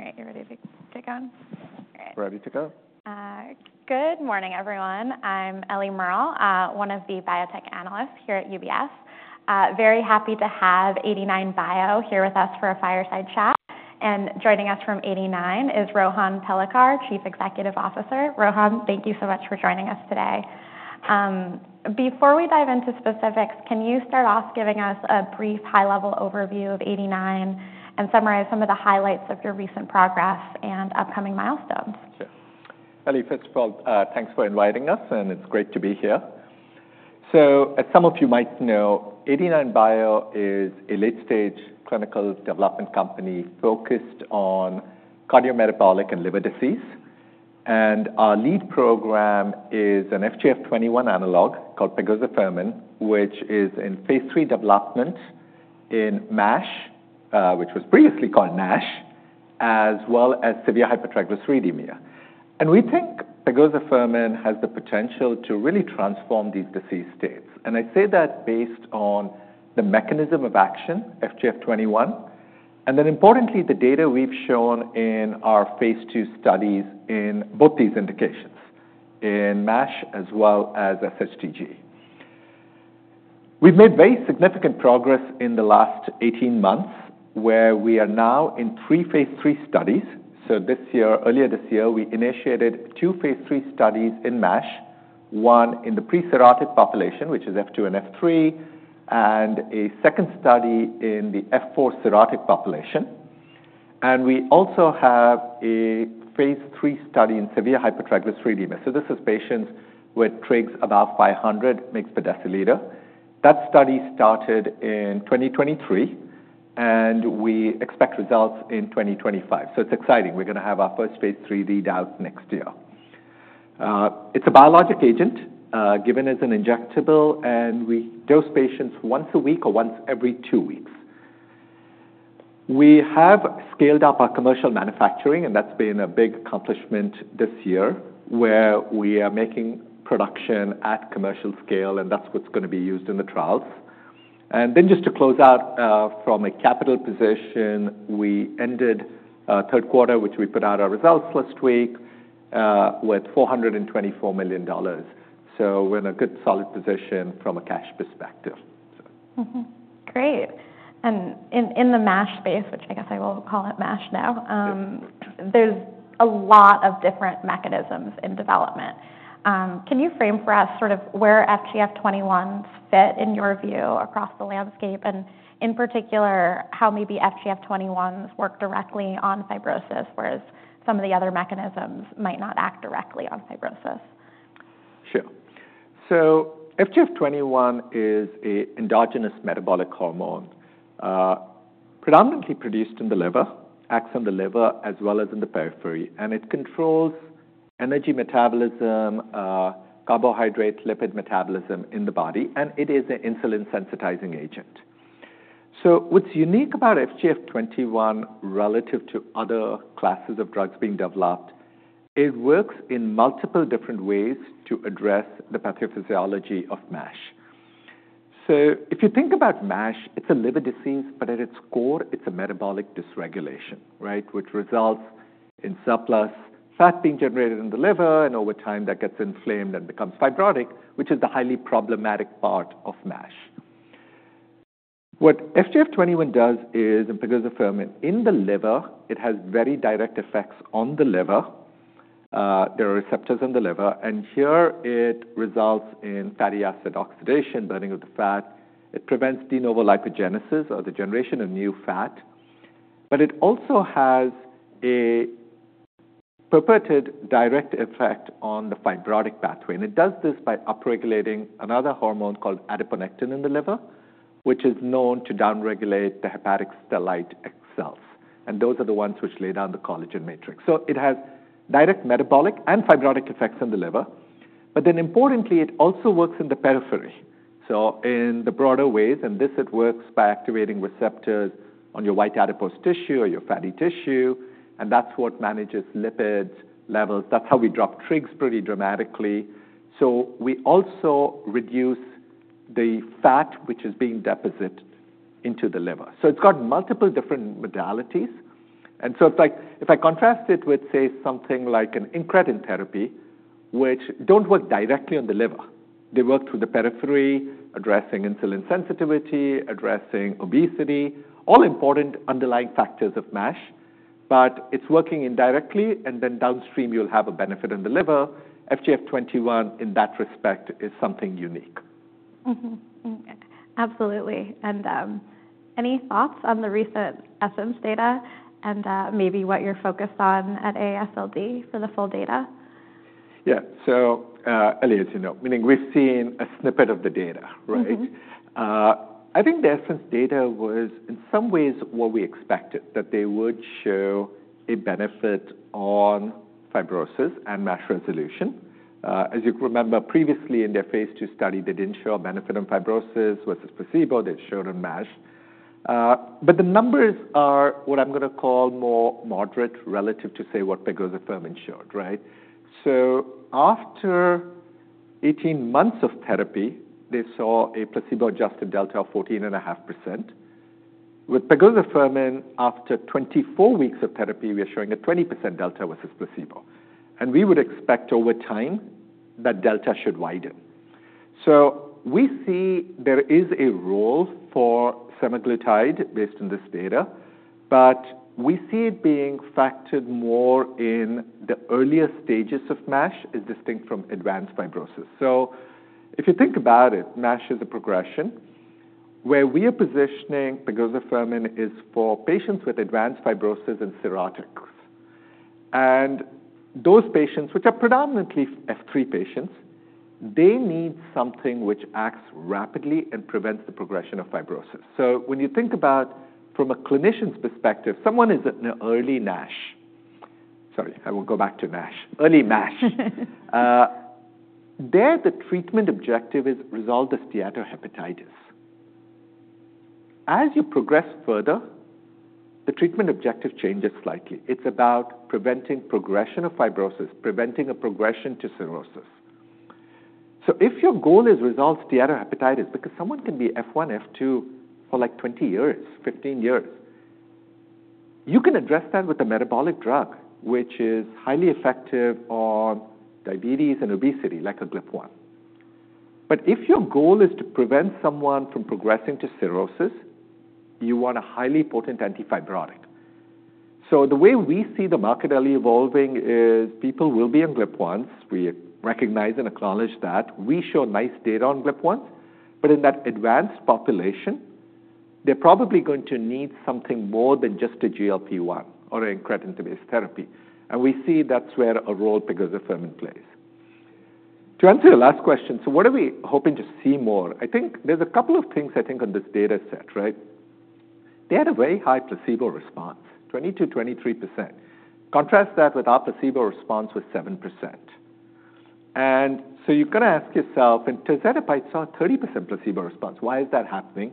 All right, you ready to take on? Ready to go. Good morning, everyone. I'm Ellie Merle, one of the biotech analysts here at UBS. Very happy to have 89bio here with us for a fireside chat, and joining us from 89 is Rohan Palekar, Chief Executive Officer. Rohan, thank you so much for joining us today. Before we dive into specifics, can you start off giving us a brief high-level overview of 89 and summarize some of the highlights of your recent progress and upcoming milestones? Sure. Ellie, first of all, thanks for inviting us, and it's great to be here. So, as some of you might know, 89bio is a late-stage clinical development company focused on cardiometabolic and liver disease. And our lead program is an FGF21 analog called pegozafermin, which is in phase three development in MASH, which was previously called NASH, as well as severe hypertriglyceridemia. And we think pegozafermin has the potential to really transform these disease states. And I say that based on the mechanism of action, FGF21, and then, importantly, the data we've shown in our phase II studies in both these indications, in MASH as well as SHTG. We've made very significant progress in the last 18 months, where we are now in three phase three studies. This year, earlier this year, we initiated two phase III studies in MASH, one in the pre-cirrhotic population, which is F2 and F3, and a second study in the F4 cirrhotic population. We also have a phase III study in severe hypertriglyceridemia. This is patients with trigs above 500 mg/dL. That study started in 2023, and we expect results in 2025. It's exciting. We're going to have our first phase III readout next year. It's a biologic agent, given as an injectable, and we dose patients once a week or once every two weeks. We have scaled up our commercial manufacturing, and that's been a big accomplishment this year, where we are making production at commercial scale, and that's what's going to be used in the trials. Then, just to close out, from a capital position, we ended Q3, which we put out our results last week, with $424 million. We're in a good solid position from a cash perspective. Great. And in the MASH space, which I guess I will call it MASH now, there's a lot of different mechanisms in development. Can you frame for us sort of where FGF21s fit in your view across the landscape, and in particular, how maybe FGF21s work directly on fibrosis, whereas some of the other mechanisms might not act directly on fibrosis? Sure. So FGF21 is an endogenous metabolic hormone, predominantly produced in the liver, acts on the liver as well as in the periphery, and it controls energy metabolism, carbohydrate, lipid metabolism in the body, and it is an insulin-sensitizing agent. So what's unique about FGF21 relative to other classes of drugs being developed, it works in multiple different ways to address the pathophysiology of MASH. So if you think about MASH, it's a liver disease, but at its core, it's a metabolic dysregulation, which results in surplus fat being generated in the liver, and over time, that gets inflamed and becomes fibrotic, which is the highly problematic part of MASH. What FGF21 does is, in pegozafermin, in the liver, it has very direct effects on the liver. There are receptors in the liver, and here it results in fatty acid oxidation, burning of the fat. It prevents de novo lipogenesis, or the generation of new fat. But it also has a purported direct effect on the fibrotic pathway. And it does this by upregulating another hormone called adiponectin in the liver, which is known to downregulate the hepatic stellate cells. And those are the ones which lay down the collagen matrix. So it has direct metabolic and fibrotic effects in the liver. But then, importantly, it also works in the periphery, so in the broader ways. And this it works by activating receptors on your white adipose tissue or your fatty tissue, and that's what manages lipid levels. That's how we drop trigs pretty dramatically. So we also reduce the fat which is being deposited into the liver. So it's got multiple different modalities. And so if I contrast it with, say, something like an incretin therapy, which don't work directly on the liver, they work through the periphery, addressing insulin sensitivity, addressing obesity, all important underlying factors of MASH, but it's working indirectly, and then downstream, you'll have a benefit in the liver. FGF21, in that respect, is something unique. Absolutely. And any thoughts on the recent ESSENCE data and maybe what you're focused on at AASLD for the full data? Yeah. So, Ellie, as you know, meaning we've seen a snippet of the data. I think the ESSENCE data was, in some ways, what we expected, that they would show a benefit on fibrosis and MASH resolution. As you can remember, previously, in their phase II study, they didn't show a benefit on fibrosis versus placebo. They showed on MASH. But the numbers are what I'm going to call more moderate relative to, say, what pegozafermin showed. So after 18 months of therapy, they saw a placebo-adjusted delta of 14.5%. With pegozafermin, after 24 weeks of therapy, we are showing a 20% delta versus placebo. And we would expect, over time, that delta should widen. So we see there is a role for semaglutide based on this data, but we see it being factored more in the earlier stages of MASH, distinct from advanced fibrosis. If you think about it, MASH is a progression, where we are positioning pegozafermin for patients with advanced fibrosis and cirrhotics. And those patients, which are predominantly F3 patients, they need something which acts rapidly and prevents the progression of fibrosis. When you think about, from a clinician's perspective, someone is in an early NASH, sorry, I will go back to NASH, early MASH, there the treatment objective is to resolve the steatohepatitis. As you progress further, the treatment objective changes slightly. It's about preventing progression of fibrosis, preventing a progression to cirrhosis. If your goal is to resolve steatohepatitis, because someone can be F1, F2 for like 20 years, 15 years, you can address that with a metabolic drug, which is highly effective on diabetes and obesity, like a GLP-1. But if your goal is to prevent someone from progressing to cirrhosis, you want a highly potent antifibrotic. So the way we see the market, Ellie, evolving is people will be on GLP-1s. We recognize and acknowledge that. We show nice data on GLP-1s, but in that advanced population, they're probably going to need something more than just a GLP-1 or an incretin-based therapy. And we see that's where a role pegozafermin plays. To answer your last question, so what are we hoping to see more? I think there's a couple of things, I think, on this data set. They had a very high placebo response, 20%-23%. Contrast that with our placebo response was 7%. And so you're going to ask yourself, tirzepatide saw a 30% placebo response. Why is that happening?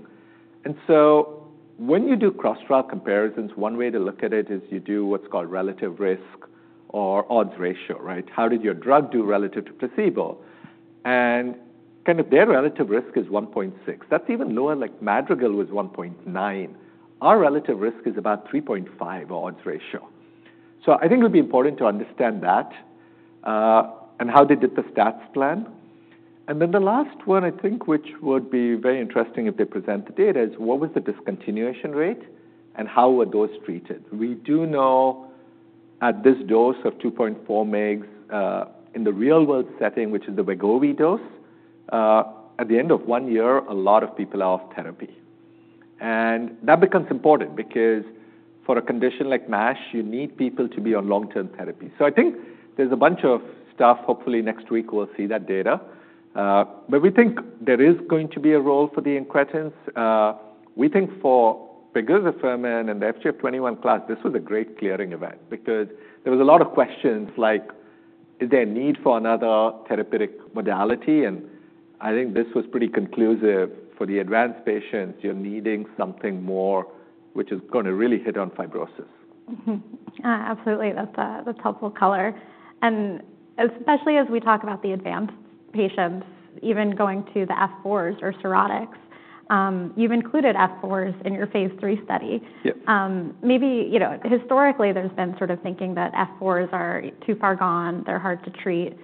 And so when you do cross-drug comparisons, one way to look at it is you do what's called relative risk or odds ratio. How did your drug do relative to placebo? And kind of their relative risk is 1.6. That's even lower. Like Madrigal was 1.9. Our relative risk is about 3.5 odds ratio. So I think it would be important to understand that and how they did the stats plan. And then the last one, I think, which would be very interesting if they present the data, is what was the discontinuation rate and how were those treated? We do know, at this dose of 2.4 mg, in the real-world setting, which is the Wegovy dose, at the end of one year, a lot of people are off therapy. And that becomes important because, for a condition like MASH, you need people to be on long-term therapy. So I think there's a bunch of stuff. Hopefully, next week, we'll see that data. But we think there is going to be a role for the incretins. We think, for pegozafermin and the FGF21 class, this was a great clearing event because there was a lot of questions, like, is there a need for another therapeutic modality? And I think this was pretty conclusive for the advanced patients. You're needing something more, which is going to really hit on fibrosis. Absolutely. That's helpful color. And especially as we talk about the advanced patients, even going to the F4s or cirrhotics, you've included F4s in your phase three study. Maybe historically, there's been sort of thinking that F4s are too far gone. They're hard to treat.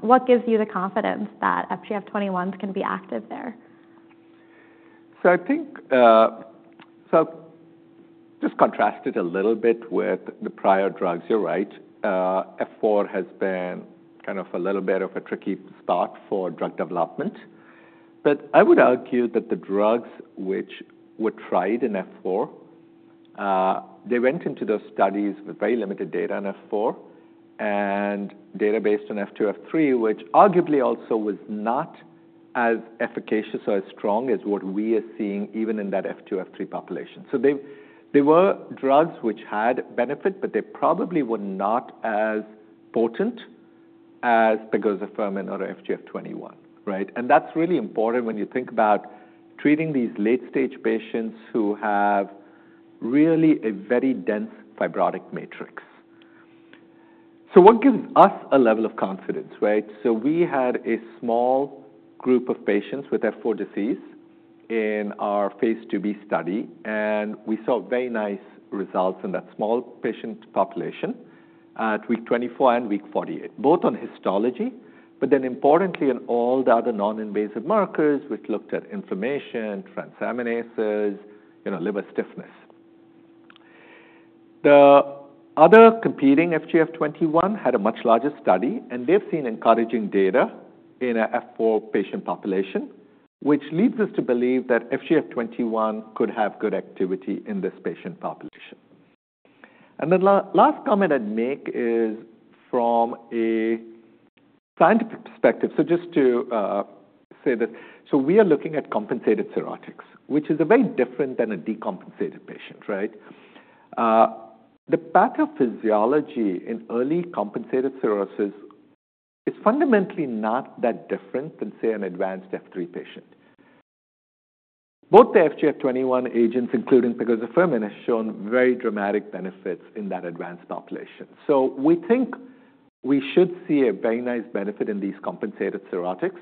What gives you the confidence that FGF21s can be active there? I think so. Just contrast it a little bit with the prior drugs. You're right. F4 has been kind of a little bit of a tricky spot for drug development. But I would argue that the drugs which were tried in F4, they went into those studies with very limited data in F4 and data based on F2, F3, which arguably also was not as efficacious or as strong as what we are seeing, even in that F2, F3 population. There were drugs which had benefit, but they probably were not as potent as pegozafermin or FGF21. And that's really important when you think about treating these late-stage patients who have really a very dense fibrotic matrix. What gives us a level of confidence? We had a small group of patients with F4 disease in our phase 2b study, and we saw very nice results in that small patient population at week 24 and week 48, both on histology, but then, importantly, in all the other non-invasive markers, which looked at inflammation, transaminases, liver stiffness. The other competing FGF21 had a much larger study, and they've seen encouraging data in an F4 patient population, which leads us to believe that FGF21 could have good activity in this patient population. The last comment I'd make is from a scientific perspective. Just to say this, we are looking at compensated cirrhotics, which is very different than a decompensated patient. The pathophysiology in early compensated cirrhosis is fundamentally not that different than, say, an advanced F3 patient. Both the FGF21 agents, including pegozafermin, have shown very dramatic benefits in that advanced population. We think we should see a very nice benefit in these compensated cirrhotics.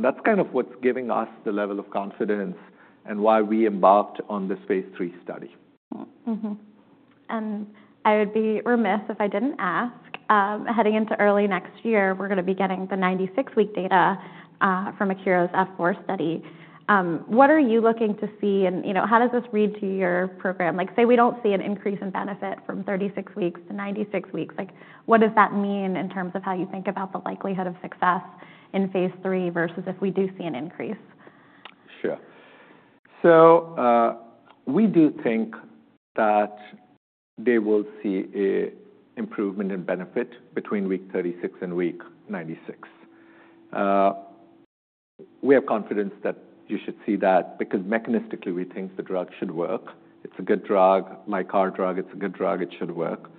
That's kind of what's giving us the level of confidence and why we embarked on this phase III study. I would be remiss if I didn't ask, heading into early next year, we're going to be getting the 96-week data from Akero's F4 study. What are you looking to see, and how does this read to your program? Say we don't see an increase in benefit from 36 weeks to 96 weeks, what does that mean in terms of how you think about the likelihood of success in phase three versus if we do see an increase? Sure. So we do think that they will see an improvement in benefit between week 36 and week 96. We have confidence that you should see that because, mechanistically, we think the drug should work. It's a good drug, like our drug. It's a good drug. It should work.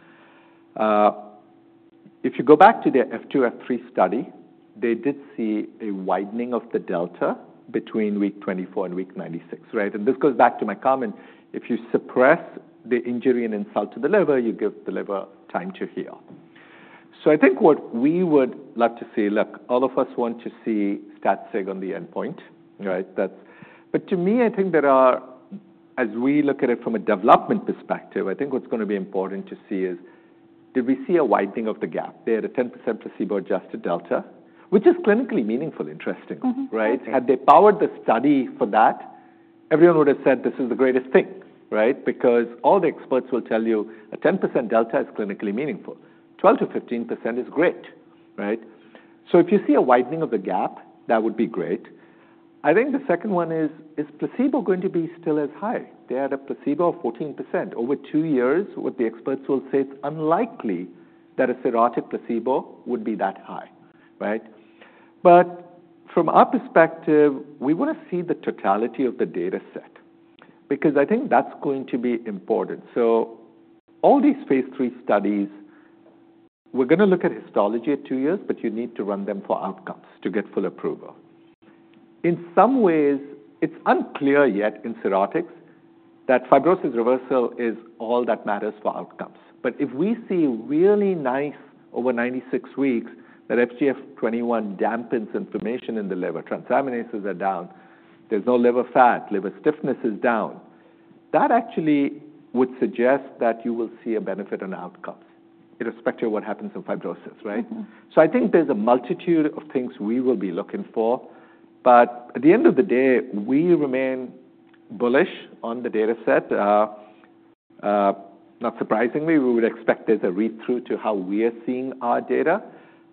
If you go back to the F2, F3 study, they did see a widening of the delta between week 24 and week 96. And this goes back to my comment. If you suppress the injury and insult to the liver, you give the liver time to heal. So I think what we would love to see, look, all of us want to see stat-sig on the endpoint. But to me, I think there are, as we look at it from a development perspective, I think what's going to be important to see is, did we see a widening of the gap? They had a 10% placebo-adjusted delta, which is clinically meaningful, interesting. Had they powered the study for that, everyone would have said, this is the greatest thing, because all the experts will tell you a 10% delta is clinically meaningful. 12%-15% is great. So if you see a widening of the gap, that would be great. I think the second one is, is placebo going to be still as high? They had a placebo of 14%. Over two years, what the experts will say, it's unlikely that a cirrhotic placebo would be that high. But from our perspective, we want to see the totality of the data set because I think that's going to be important. So all these phase three studies, we're going to look at histology at two years, but you need to run them for outcomes to get full approval. In some ways, it's unclear yet in cirrhotics that fibrosis reversal is all that matters for outcomes. But if we see really nice over 96 weeks that FGF21 dampens inflammation in the liver, transaminases are down, there's no liver fat, liver stiffness is down, that actually would suggest that you will see a benefit on outcomes irrespective of what happens in fibrosis. So I think there's a multitude of things we will be looking for. But at the end of the day, we remain bullish on the data set. Not surprisingly, we would expect there's a read-through to how we are seeing our data.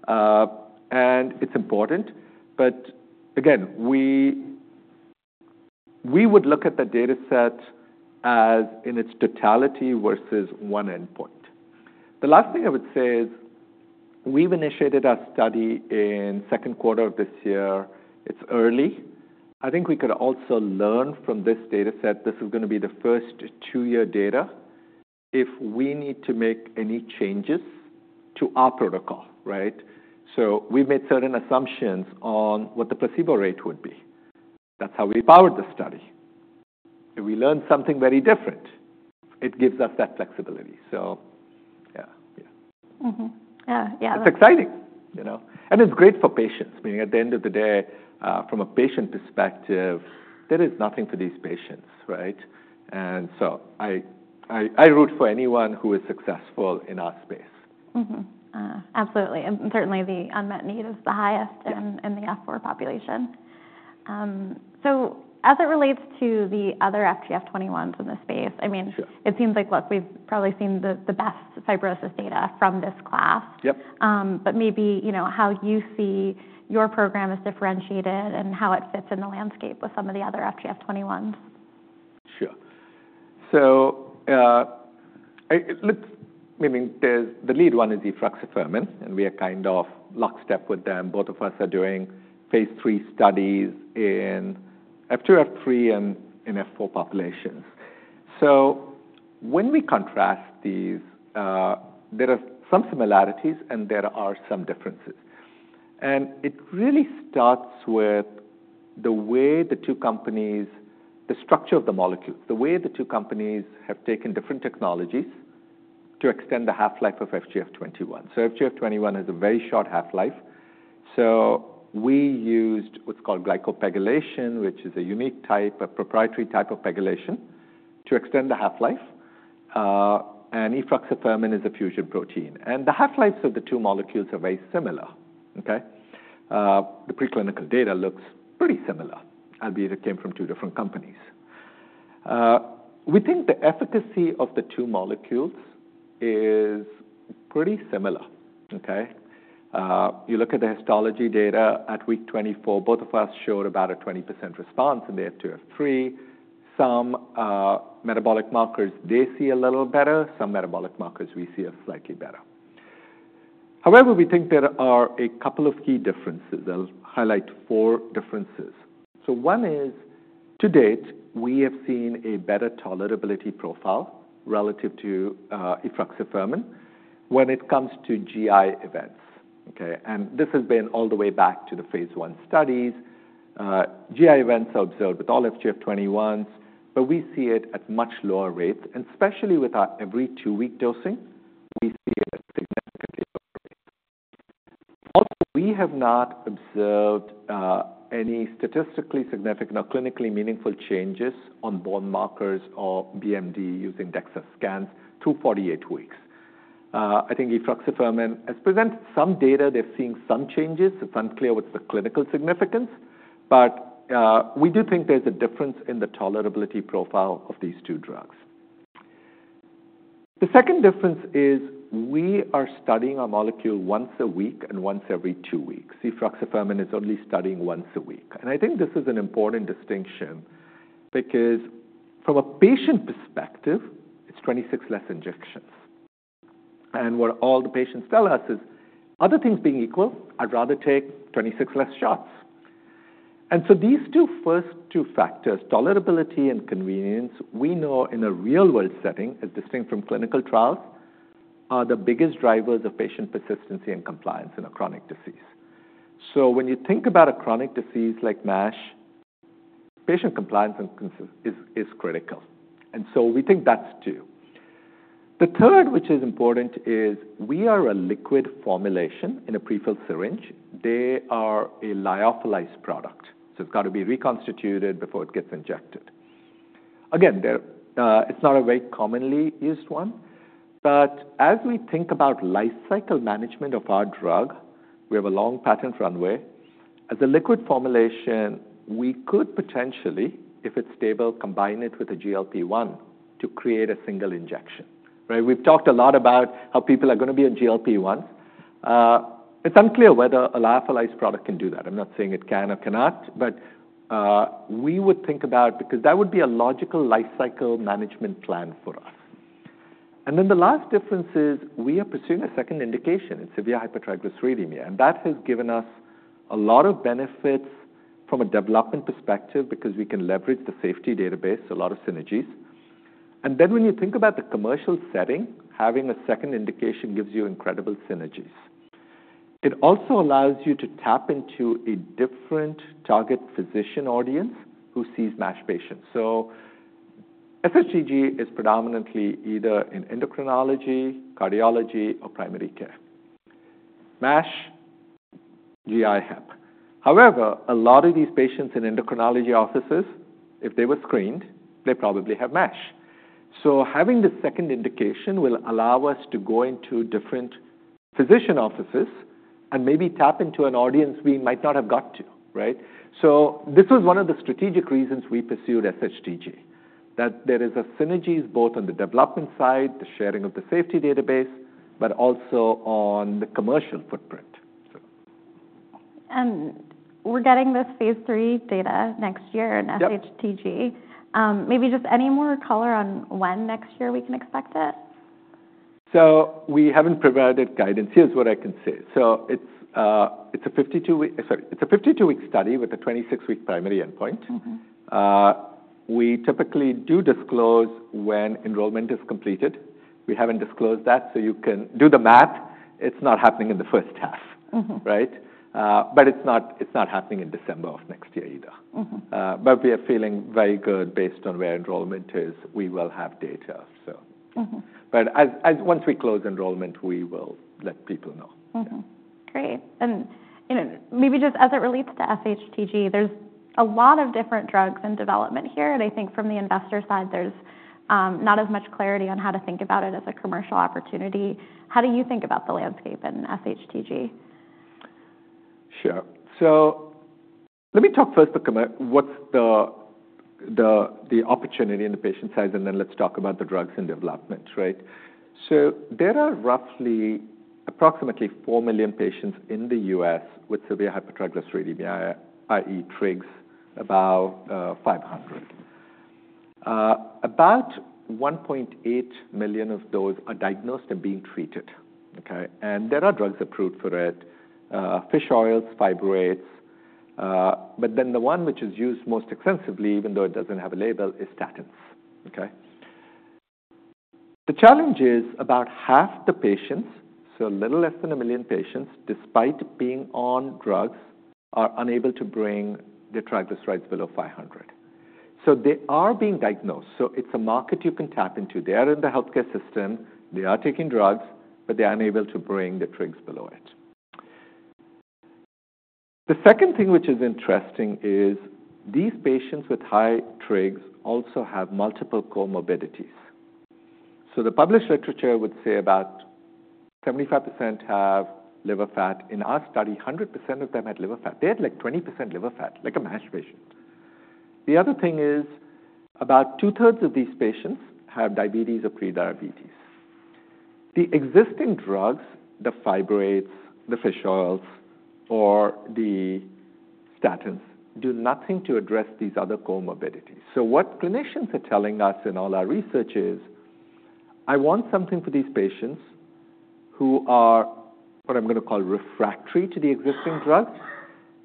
And it's important. But again, we would look at the data set as in its totality versus one endpoint. The last thing I would say is we've initiated our study in the Q2 of this year. It's early. I think we could also learn from this data set. This is going to be the first two-year data if we need to make any changes to our protocol. So we've made certain assumptions on what the placebo rate would be. That's how we powered the study. If we learn something very different, it gives us that flexibility. So yeah. Yeah. It's exciting and it's great for patients. Meaning, at the end of the day, from a patient perspective, there is nothing for these patients, and so I root for anyone who is successful in our space. Absolutely. And certainly, the unmet need is the highest in the F4 population. So as it relates to the other FGF21s in this space, I mean, it seems like, look, we've probably seen the best fibrosis data from this class. But maybe how you see your program is differentiated and how it fits in the landscape with some of the other FGF21s? Sure, so the lead one is efruxifermin, and we are kind of lockstep with them. Both of us are doing phase III studies in F2, F3, and in F4 populations, so when we contrast these, there are some similarities, and there are some differences, and it really starts with the way the two companies, the structure of the molecules, the way the two companies have taken different technologies to extend the half-life of FGF21, so FGF21 has a very short half-life, so we used what's called glycopegylation, which is a unique type, a proprietary type of pegylation, to extend the half-life, and efruxifermin is a fusion protein, and the half-lives of the two molecules are very similar. The preclinical data looks pretty similar, albeit it came from two different companies. We think the efficacy of the two molecules is pretty similar. You look at the histology data at week 24, both of us showed about a 20% response in the F2, F3. Some metabolic markers, they see a little better. Some metabolic markers, we see a slightly better. However, we think there are a couple of key differences. I'll highlight four differences. So one is, to date, we have seen a better tolerability profile relative to efruxifermin when it comes to GI events. And this has been all the way back to the phase I studies. GI events are observed with all FGF21s, but we see it at much lower rates. And especially with our every two-week dosing, we see it at significantly lower rates. Also, we have not observed any statistically significant or clinically meaningful changes on bone markers or BMD using DEXA scans through 48 weeks. I think efruxifermin has presented some data. They're seeing some changes. It's unclear what's the clinical significance. But we do think there's a difference in the tolerability profile of these two drugs. The second difference is we are studying our molecule once a week and once every two weeks. efruxifermin is only studying once a week. And I think this is an important distinction because, from a patient perspective, it's 26 less injections. And what all the patients tell us is, other things being equal, I'd rather take 26 less shots. And so these first two factors, tolerability and convenience, we know in a real-world setting, as distinct from clinical trials, are the biggest drivers of patient persistency and compliance in a chronic disease. So when you think about a chronic disease like MASH, patient compliance is critical. And so we think that's two. The third, which is important, is we are a liquid formulation in a prefilled syringe. They are a lyophilized product, so it's got to be reconstituted before it gets injected. Again, it's not a very commonly used one, but as we think about lifecycle management of our drug, we have a long patent runway. As a liquid formulation, we could potentially, if it's stable, combine it with a GLP-1 to create a single injection. We've talked a lot about how people are going to be on GLP-1s. It's unclear whether a lyophilized product can do that. I'm not saying it can or cannot, but we would think about, because that would be a logical lifecycle management plan for us, and then the last difference is we are pursuing a second indication. It's severe hypertriglyceridemia, and that has given us a lot of benefits from a development perspective because we can leverage the safety database, a lot of synergies. And then when you think about the commercial setting, having a second indication gives you incredible synergies. It also allows you to tap into a different target physician audience who sees MASH patients. So SHTG is predominantly either in endocrinology, cardiology, or primary care. MASH, GI, HEP. However, a lot of these patients in endocrinology offices, if they were screened, they probably have MASH. So having the second indication will allow us to go into different physician offices and maybe tap into an audience we might not have got to. So this was one of the strategic reasons we pursued SHTG, that there is a synergies both on the development side, the sharing of the safety database, but also on the commercial footprint. We're getting this phase III data next year in SHTG. Maybe just any more color on when next year we can expect it? So we haven't provided guidance. Here's what I can say. So it's a 52-week study with a 26-week primary endpoint. We typically do disclose when enrollment is completed. We haven't disclosed that. So you can do the math. It's not happening in the first half. But it's not happening in December of next year either. But we are feeling very good based on where enrollment is. We will have data. But once we close enrollment, we will let people know. Great, and maybe just as it relates to SHTG, there's a lot of different drugs in development here, and I think from the investor side, there's not as much clarity on how to think about it as a commercial opportunity. How do you think about the landscape in SHTG? Sure. So let me talk first about what's the opportunity in the patient side, and then let's talk about the drugs in development. So there are approximately four million patients in the U.S. with severe hypertriglyceridemia, i.e., trigs, about 500. About 1.8 million of those are diagnosed and being treated. And there are drugs approved for it, fish oils, fibrates. But then the one which is used most extensively, even though it doesn't have a label, is statins. The challenge is about half the patients, so a little less than one million patients, despite being on drugs, are unable to bring their triglycerides below 500. So they are being diagnosed. So it's a market you can tap into. They are in the healthcare system. They are taking drugs, but they are unable to bring the trigs below it. The second thing which is interesting is these patients with high trigs also have multiple comorbidities. So the published literature would say about 75% have liver fat. In our study, 100% of them had liver fat. They had like 20% liver fat, like a MASH patient. The other thing is about two-thirds of these patients have diabetes or prediabetes. The existing drugs, the fibrates, the fish oils, or the statins do nothing to address these other comorbidities. So what clinicians are telling us in all our research is, I want something for these patients who are what I'm going to call refractory to the existing drugs.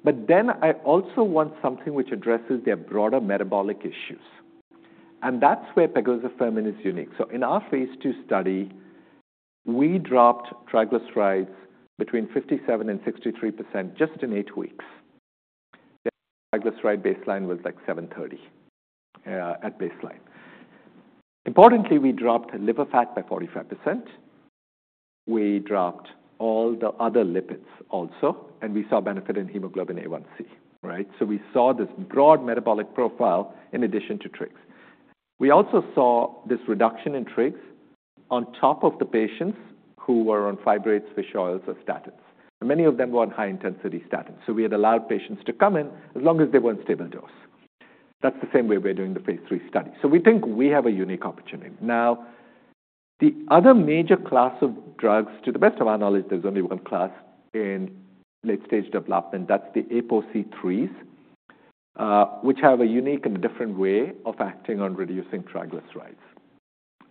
But then I also want something which addresses their broader metabolic issues. And that's where pegozafermin is unique. So in our phase II study, we dropped triglycerides between 57% and 63% just in eight weeks. The triglyceride baseline was like 730 at baseline. Importantly, we dropped liver fat by 45%. We dropped all the other lipids also. And we saw benefit in hemoglobin A1c. So we saw this broad metabolic profile in addition to trigs. We also saw this reduction in trigs on top of the patients who were on fibrates, fish oils, or statins. And many of them were on high-intensity statins. So we had allowed patients to come in as long as they were on stable dose. That's the same way we're doing the phase III study. So we think we have a unique opportunity. Now, the other major class of drugs, to the best of our knowledge, there's only one class in late-stage development. That's the ApoC3s, which have a unique and different way of acting on reducing triglycerides.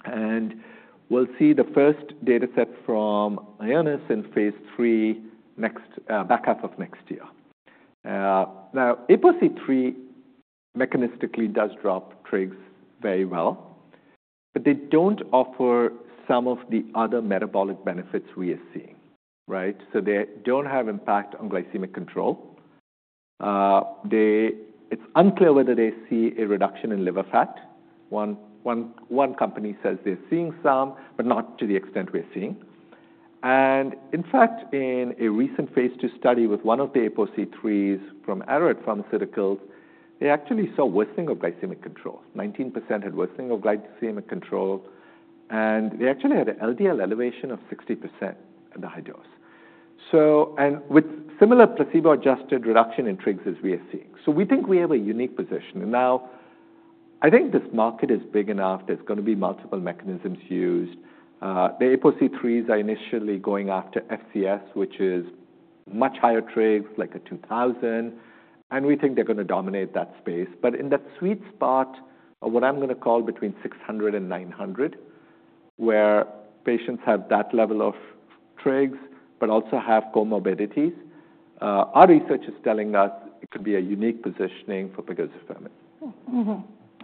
And we'll see the first data set from Ionis in phase III back half of next year. Now, ApoC3 mechanistically does drop trigs very well. But they don't offer some of the other metabolic benefits we are seeing. So they don't have impact on glycemic control. It's unclear whether they see a reduction in liver fat. One company says they're seeing some, but not to the extent we're seeing. And in fact, in a recent phase II study with one of the ApoC3s from Arrowhead Pharmaceuticals, they actually saw worsening of glycemic control. 19% had worsening of glycemic control. And they actually had an LDL elevation of 60% at the high dose. And with similar placebo-adjusted reduction in trigs as we are seeing. So we think we have a unique position. And now, I think this market is big enough. There's going to be multiple mechanisms used. The ApoC3s are initially going after FCS, which is much higher trigs, like a 2000. And we think they're going to dominate that space. But in that sweet spot of what I'm going to call between 600 and 900, where patients have that level of trigs but also have comorbidities, our research is telling us it could be a unique positioning for pegozafermin.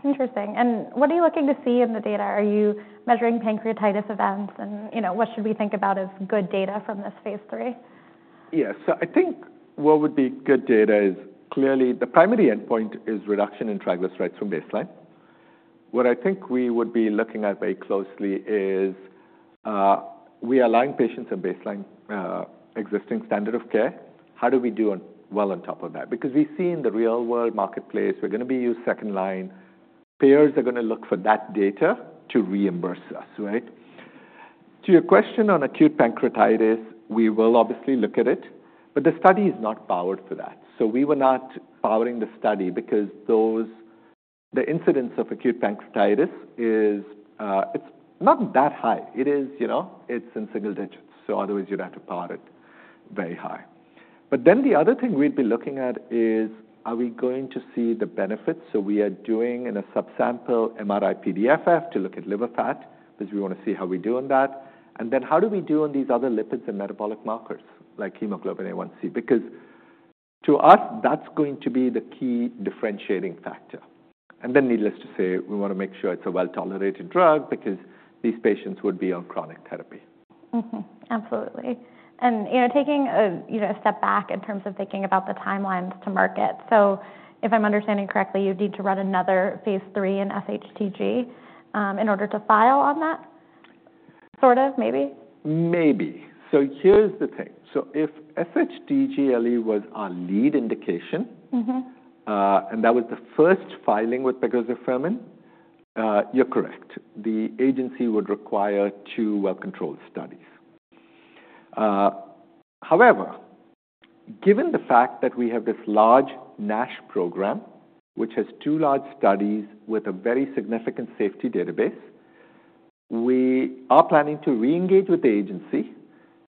Interesting. And what are you looking to see in the data? Are you measuring pancreatitis events? And what should we think about as good data from this phase III? Yes, so I think what would be good data is clearly the primary endpoint is reduction in triglycerides from baseline. What I think we would be looking at very closely is we align patients on baseline existing standard of care. How do we do well on top of that? Because we see in the real-world marketplace, we're going to be used second-line. Payers are going to look for that data to reimburse us. To your question on acute pancreatitis, we will obviously look at it. But the study is not powered for that, so we were not powering the study because the incidence of acute pancreatitis, it's not that high. It's in single digits, so otherwise, you'd have to power it very high. But then the other thing we'd be looking at is, are we going to see the benefits? So we are doing in a subsample MRI-PDFF to look at liver fat because we want to see how we're doing that. And then how do we do on these other lipids and metabolic markers like hemoglobin A1c? Because to us, that's going to be the key differentiating factor. And then needless to say, we want to make sure it's a well-tolerated drug because these patients would be on chronic therapy. Absolutely. And taking a step back in terms of thinking about the timelines to market, so if I'm understanding correctly, you'd need to run another phase three in SHTG in order to file on that? Sort of, maybe? Maybe. So here's the thing. So if SHTG was our lead indication, and that was the first filing with pegozafermin, you're correct. The agency would require two well-controlled studies. However, given the fact that we have this large NASH program, which has two large studies with a very significant safety database, we are planning to re-engage with the agency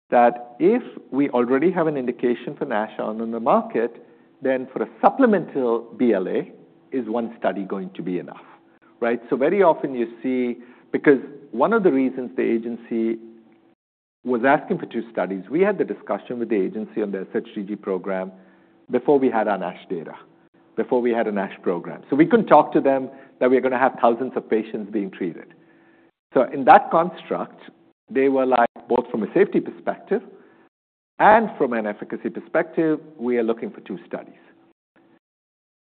that if we already have an indication for NASH on the market, then for a supplemental BLA is one study going to be enough. So very often you see because one of the reasons the agency was asking for two studies, we had the discussion with the agency on the SHTG program before we had our NASH data, before we had a NASH program. So we couldn't talk to them that we're going to have thousands of patients being treated. So in that construct, they were like, both from a safety perspective and from an efficacy perspective, we are looking for two studies.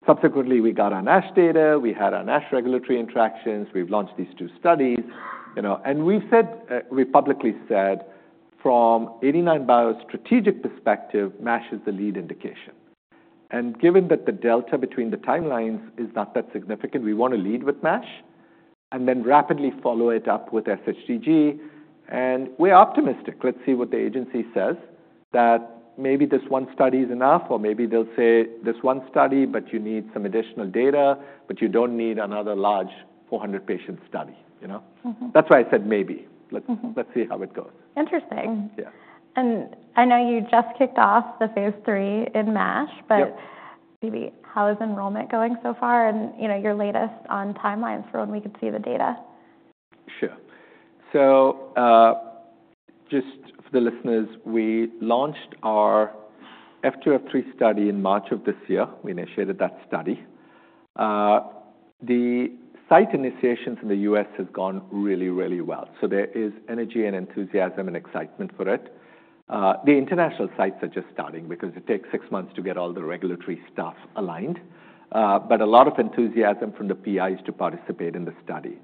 Subsequently, we got our NASH data. We had our NASH regulatory interactions. We've launched these two studies. And we've said, we publicly said, from 89bio's strategic perspective, NASH is the lead indication. And given that the delta between the timelines is not that significant, we want to lead with NASH and then rapidly follow it up with SHTG. And we're optimistic. Let's see what the agency says that maybe this one study is enough, or maybe they'll say this one study, but you need some additional data, but you don't need another large 400-patient study. That's why I said maybe. Let's see how it goes. Interesting. And I know you just kicked off the phase III in MASH, but maybe how is enrollment going so far and your latest on timelines for when we could see the data? Sure. So just for the listeners, we launched our F2F3 study in March of this year. We initiated that study. The site initiations in the U.S. have gone really, really well. So there is energy and enthusiasm and excitement for it. The international sites are just starting because it takes six months to get all the regulatory stuff aligned. But a lot of enthusiasm from the PIs to participate in the study.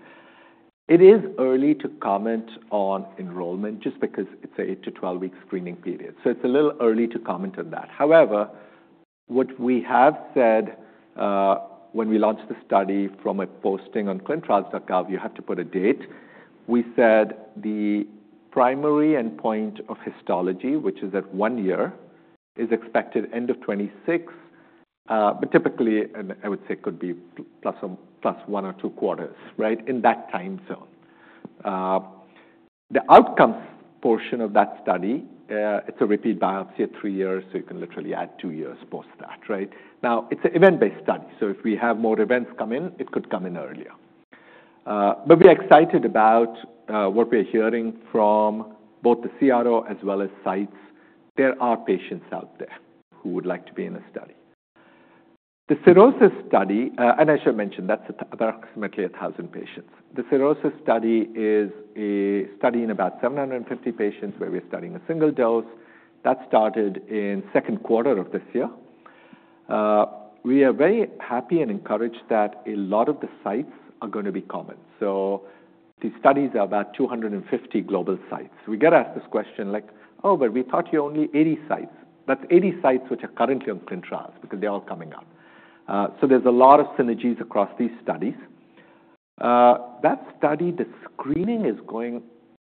It is early to comment on enrollment just because it's an eight- to 12-week screening period. So it's a little early to comment on that. However, what we have said when we launched the study from a posting on ClinicalTrials.gov, you have to put a date. We said the primary endpoint of histology, which is at one year, is expected end of 2026. But typically, I would say it could be plus one or two quarters in that time zone. The outcomes portion of that study. It's a repeat biopsy at three years, so you can literally add two years post that. Now, it's an event-based study. So if we have more events come in, it could come in earlier. But we are excited about what we are hearing from both the CRO as well as sites. There are patients out there who would like to be in a study. The cirrhosis study, and I should mention that's approximately 1,000 patients. The cirrhosis study is a study in about 750 patients where we're studying a single dose. That started in the Q2 of this year. We are very happy and encouraged that a lot of the sites are going to be common. So these studies are about 250 global sites. We get asked this question like, "Oh, but we thought you only 80 sites." That's 80 sites which are currently on ClinicalTrials.gov because they're all coming up. So there's a lot of synergies across these studies. That study, the screening is going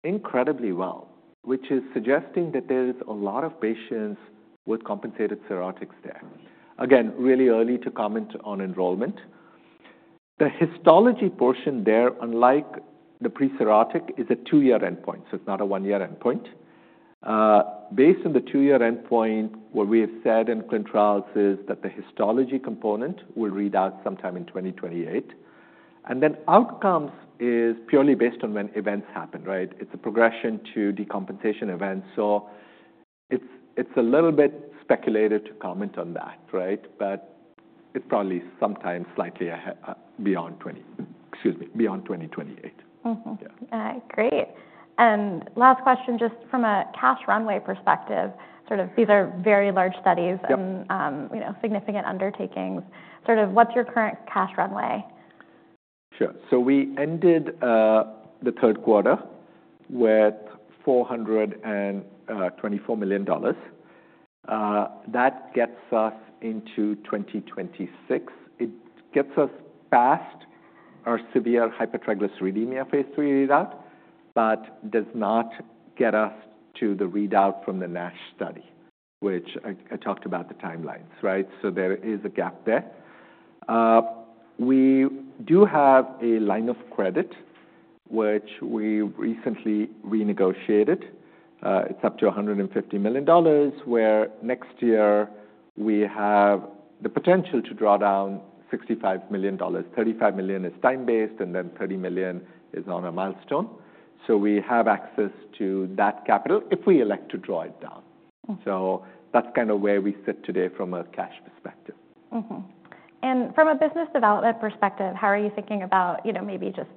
incredibly well, which is suggesting that there is a lot of patients with compensated cirrhosis there. Again, really early to comment on enrollment. The histology portion there, unlike the pre-cirrhotic, is a two-year endpoint. So it's not a one-year endpoint. Based on the two-year endpoint, what we have said in ClinicalTrials.gov is that the histology component will read out sometime in 2028. And then outcomes is purely based on when events happen. It's a progression to decompensation events. So it's a little bit speculative to comment on that, but it's probably sometime slightly beyond 2028. Great. Last question, just from a cash runway perspective, these are very large studies and significant undertakings. What's your current cash runway? Sure. So we ended the Q3 with $424 million. That gets us into 2026. It gets us past our severe hypertriglyceridemia phase three readout, but does not get us to the readout from the NASH study, which I talked about the timelines. So there is a gap there. We do have a line of credit, which we recently renegotiated. It's up to $150 million, where next year we have the potential to draw down $65 million. $35 million is time-based, and then $30 million is on a milestone. So we have access to that capital if we elect to draw it down. So that's kind of where we sit today from a cash perspective. From a business development perspective, how are you thinking about maybe just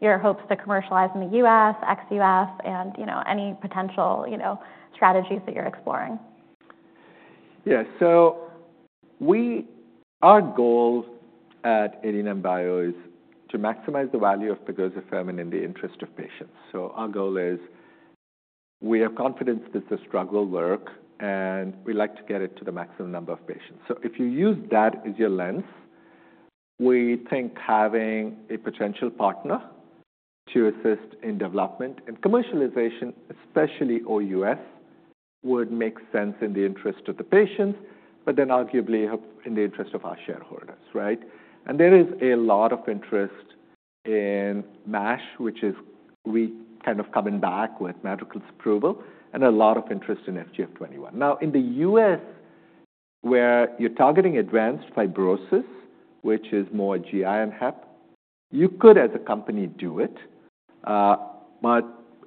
your hopes to commercialize in the U.S., ex-U.S., and any potential strategies that you're exploring? Yeah. Our goal at 89bio is to maximize the value of pegozafermin in the interest of patients. Our goal is we have confidence that the drug will work, and we'd like to get it to the maximum number of patients. If you use that as your lens, we think having a potential partner to assist in development and commercialization, especially OUS, would make sense in the interest of the patients, but then arguably in the interest of our shareholders. There is a lot of interest in MASH, which is kind of coming back with Madrigal approval, and a lot of interest in FGF21. Now, in the U.S., where you're targeting advanced fibrosis, which is more GI and HEP, you could, as a company, do it.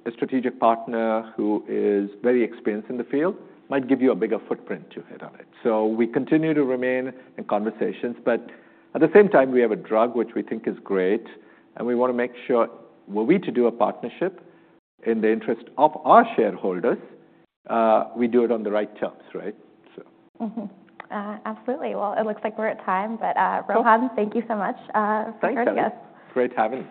A strategic partner who is very experienced in the field might give you a bigger footprint to hit on it. So we continue to remain in conversations. But at the same time, we have a drug which we think is great. And we want to make sure we're willing to do a partnership in the interest of our shareholders. We do it on the right terms. Absolutely. Well, it looks like we're at time. But Rohan, thank you so much for joining us. Thanks for having me.